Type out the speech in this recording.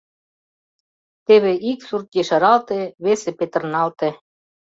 Теве ик сурт ешаралте, весе петырналте...